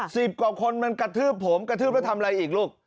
สิบกว่าคนมันกระทืบผมกระทืบแล้วทำอะไรอีกลูก